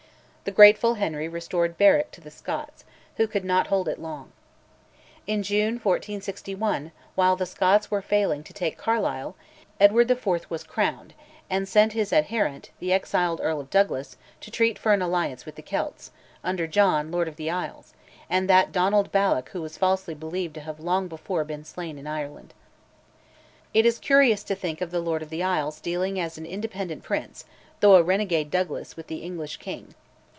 The grateful Henry restored Berwick to the Scots, who could not hold it long. In June 1461, while the Scots were failing to take Carlisle, Edward IV. was crowned, and sent his adherent, the exiled Earl of Douglas, to treat for an alliance with the Celts, under John, Lord of the Isles, and that Donald Balloch who was falsely believed to have long before been slain in Ireland. It is curious to think of the Lord of the Isles dealing as an independent prince, through a renegade Douglas, with the English king.